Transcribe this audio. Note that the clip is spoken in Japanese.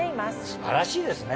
素晴らしいですね。